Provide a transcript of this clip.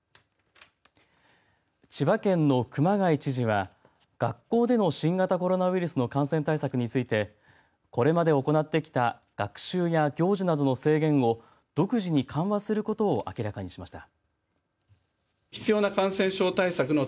千葉県の熊谷知事は学校での新型コロナウイルスの感染対策についてこれまで行ってきた学習や行事などの制限を独自に緩和することを明らかにしました。